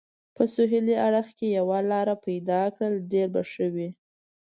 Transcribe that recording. په سهېلي اړخ کې یوه لار پیدا کړل، ډېر به ښه وي.